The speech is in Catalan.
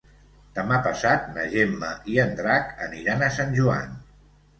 Demà passat na Gemma i en Drac aniran a Sant Joan.